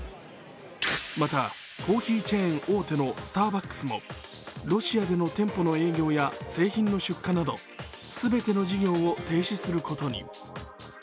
また、コーヒーチェーン大手のスターバックスもロシアでの店舗の営業や製品の出荷など全ての事業を停止することに。